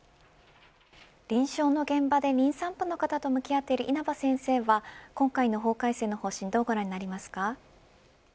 臨床の現場で妊産婦の方と向き合っている稲葉先生は今回の法改正の方針はどうご覧になりますか。